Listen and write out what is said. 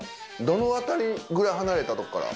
どの辺りぐらい離れたとこから？